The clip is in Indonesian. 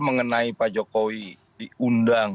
mengenai pak jokowi diundang